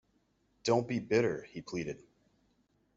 “Don’t be bitter,” he pleaded.